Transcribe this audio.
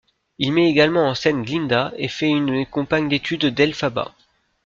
Il met également en scène Glinda, et en fait une compagne d'études d'Elphaba.